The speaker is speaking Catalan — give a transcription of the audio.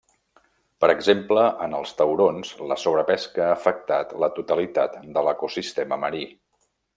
Per exemple en els taurons la sobrepesca ha afectat la totalitat de l'ecosistema marí.